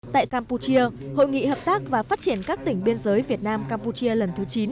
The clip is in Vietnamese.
tại campuchia hội nghị hợp tác và phát triển các tỉnh biên giới việt nam campuchia lần thứ chín